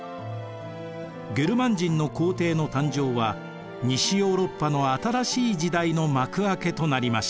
ゲルマン人の皇帝の誕生は西ヨーロッパの新しい時代の幕開けとなりました。